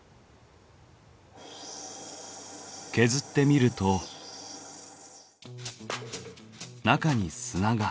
削ってみると中に砂が。